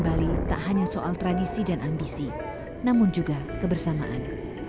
bali tak hanya soal tradisi dan ambisi namun juga kebersamaan